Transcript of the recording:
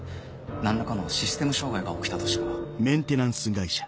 何らかのシステム障害が起きたとしか。